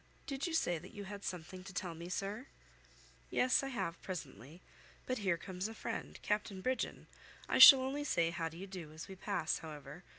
"Did you say that you had something to tell me, sir?" "Yes, I have, presently. But here comes a friend, Captain Brigden; I shall only say, 'How d'ye do?' as we pass, however.